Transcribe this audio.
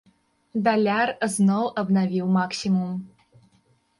Даляр зноў абнавіў максімум.